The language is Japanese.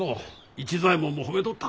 市左衛門も褒めとった。